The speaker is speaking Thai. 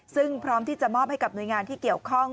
ซึ่งพร้อมที่จะมอบให้กับหน่วยงานที่เกี่ยวข้อง